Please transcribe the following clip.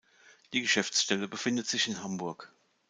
Die Geschäftsstelle befindet sich in Hamburg.